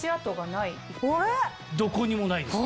どこにもないですね。